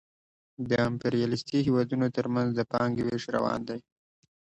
د امپریالیستي هېوادونو ترمنځ د پانګې وېش روان دی